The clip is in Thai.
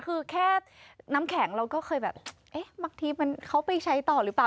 คือแค่น้ำแข็งเราก็เคยแบบเอ๊ะบางทีมันเขาไปใช้ต่อหรือเปล่า